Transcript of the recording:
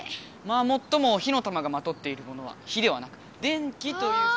まあもっとも火の玉がまとっているものは火ではなく電気という。